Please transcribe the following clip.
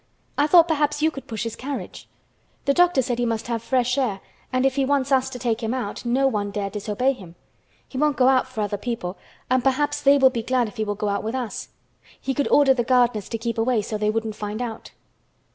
I thought perhaps you could push his carriage. The doctor said he must have fresh air and if he wants us to take him out no one dare disobey him. He won't go out for other people and perhaps they will be glad if he will go out with us. He could order the gardeners to keep away so they wouldn't find out."